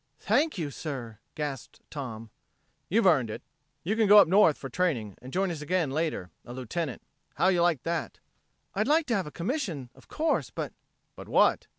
"Thank you, sir," gasped Tom. "You've earned it. You can go up North for training, and join us again later a Lieutenant. How'll you like that?" "I'd like to have a commission, of course, but...." "But what?"